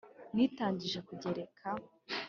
Nitangije kugereka.